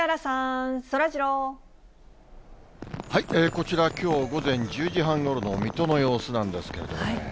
こちら、きょう午前１０時半ごろの水戸の様子なんですけれどもね。